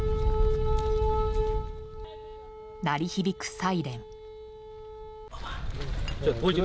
鳴り響くサイレン。